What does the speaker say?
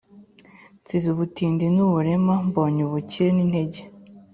Nsize ubutindi n’uburema mbonye ubukire n’intege